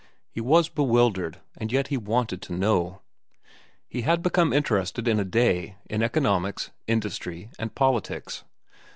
He was bewildered, and yet he wanted to know. He had become interested, in a day, in economics, industry, and politics.